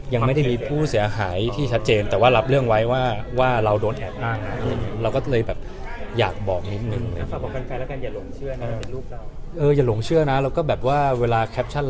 ยังไม่ได้คุยกับเขาแต่ว่าน้องชายกับน้องสาวผมก็เลยไปแจ้งความก่อน